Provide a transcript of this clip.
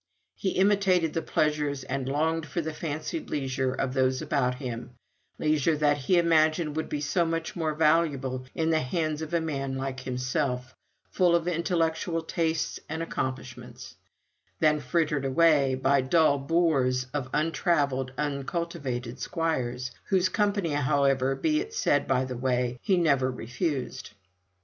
He imitated the pleasures, and longed for the fancied leisure of those about him; leisure that he imagined would be so much more valuable in the hands of a man like himself, full of intellectual tastes and accomplishments, than frittered away by dull boors of untravelled, uncultivated squires whose company, however, be it said by the way, he never refused.